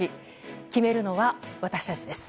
決めるのは、私たちです。